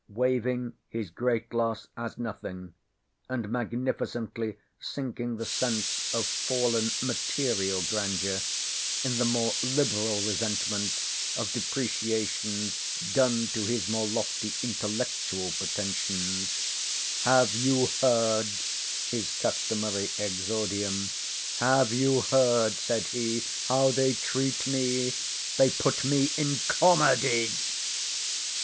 Waiving his great loss as nothing, and magnificently sinking the sense of fallen material grandeur in the more liberal resentment of depreciations done to his more lofty intellectual pretensions, "Have you heard" (his customary exordium)—"have you heard," said he, "how they treat me? they put me in comedy."